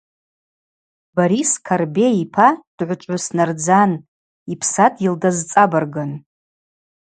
Борис Карбей йпа дгӏвычӏвгӏвыс нардзан, йпсадгьыл дазцӏабыргын.